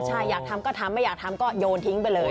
ใช่อยากทำก็ทำไม่อยากทำก็โยนทิ้งไปเลย